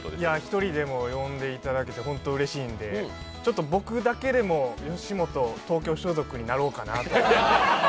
１人でも呼んでいただいて本当にうれしいんで、ちょっと僕だけでもよしもと東京所属になろうかなと。